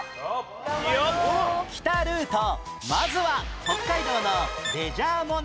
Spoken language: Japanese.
まずは北海道のレジャー問題